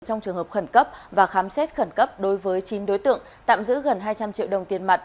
trong trường hợp khẩn cấp và khám xét khẩn cấp đối với chín đối tượng tạm giữ gần hai trăm linh triệu đồng tiền mặt